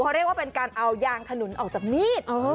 เขาเรียกว่าเป็นการเอายางขนุนออกจากมีด